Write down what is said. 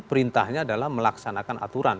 perintahnya adalah melaksanakan aturan